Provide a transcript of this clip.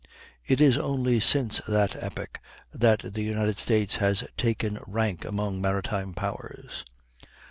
It is only since that epoch that the United States has taken rank among maritime powers.